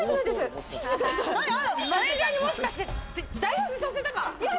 マネジャーに、もしかして代筆させたか！？